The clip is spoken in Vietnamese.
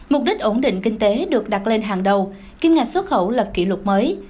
mục đích ổn định kinh tế được đặt lên hàng đầu kim ngạch xuất khẩu lập kỷ lục mới